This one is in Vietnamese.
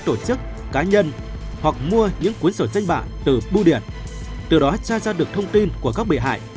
tổ chức cá nhân hoặc mua những cuốn sổ danh bạ từ bưu điện từ đó tra ra được thông tin của các bị hại